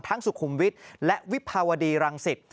ทั้งสุขุมวิทและวิภาวดีรังศิษย์